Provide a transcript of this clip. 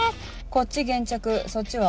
こっち現着そっちは？